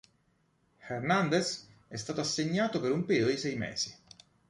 Hernández è stato assegnato per un periodo di sei mesi.